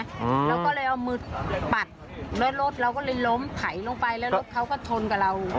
เราก็เลยเอามือปัดแล้วรถเราก็เลยล้มไถลงไปแล้วรถเขาก็ชนกับเรา